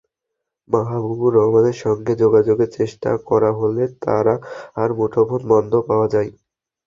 মাহাবুবুর রহমানের সঙ্গে যোগাযোগের চেষ্টা করা হলে তাঁর মুঠোফোন বন্ধ পাওয়া যায়।